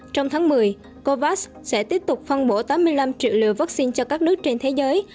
trong tháng một mươi covax sẽ tiếp tục phân bổ tám mươi năm triệu liều vaccine cho các nước trên thế giới